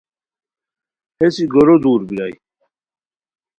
ہیس ای گورو دور بیرائے